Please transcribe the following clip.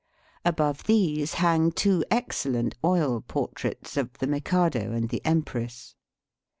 Above these hang two ex cellent oil portraits of the Mikado and the empress.